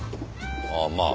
ああ。